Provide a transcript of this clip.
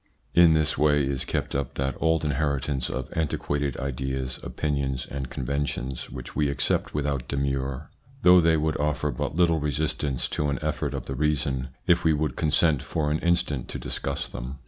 In this way is kept up that old inheritance of antiquated ideas, opinions, and conventions which we accept without demur, though they would offer but little resistance to an effort of the reason, if we would consent for an instant to discuss them.